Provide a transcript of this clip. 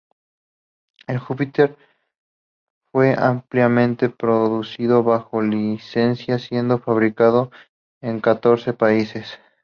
El Jupiter fue ampliamente producido bajo licencia, siendo fabricado en catorce países.